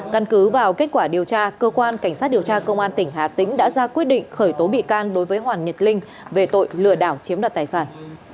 căn cứ vào kết quả điều tra cơ quan cảnh sát điều tra công an tỉnh hà tĩnh đã ra quyết định khởi tố bị can đối với hoàng nhật linh về tội lừa đảo chiếm đoạt tài sản